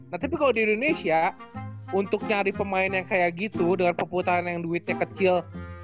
nah tapi kalau di indonesia untuk nyari pemain yang kayak gitu dengan perputaran yang duitnya kecil